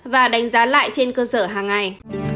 và đánh giá lại trên cơ sở hàng ngày